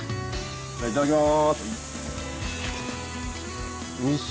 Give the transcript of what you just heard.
いただきます。